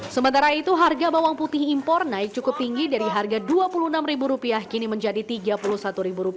sementara itu harga bawang putih impor naik cukup tinggi dari harga rp dua puluh enam kini menjadi rp tiga puluh satu